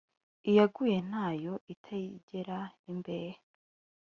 Iyaguye ntayo itayigera ihembe.